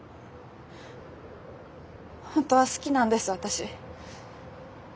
本当は好きなんです私。